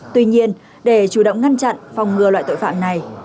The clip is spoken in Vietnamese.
tuy nhiên để chủ động ngăn chặn phòng ngừa loại tội phạm này